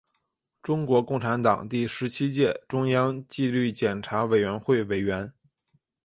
中国共产党第十七届中央纪律检查委员会委员。